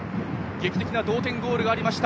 劇的な同点ゴールがありました。